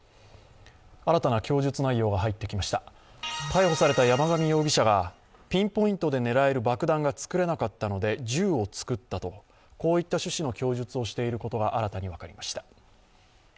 逮捕された山上容疑者がピンポイントで狙える爆弾が作れなかったので銃を作ったとこういった趣旨の供述をしていることが新たに分かりました。